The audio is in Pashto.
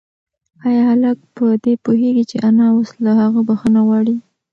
ایا هلک په دې پوهېږي چې انا اوس له هغه بښنه غواړي؟